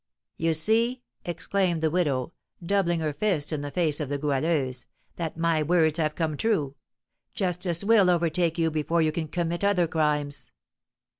"You see," exclaimed the widow, doubling her fist in the face of the Goualeuse, "that my words have come true. Justice will overtake you before you can commit other crimes."